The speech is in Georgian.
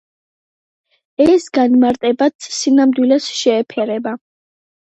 ეს განმარტებაც სინამდვილეს შეეფერება.